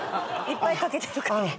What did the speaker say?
いっぱいかけてるから。